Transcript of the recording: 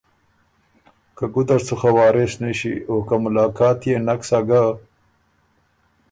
که ګُده ر سُو خه وارث نِݭی او که ملاقات يې نک سَۀ ګۀ